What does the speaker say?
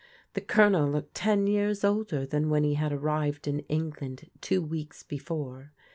The Colonel looked ten years older than when he had arrived in England two weeks before.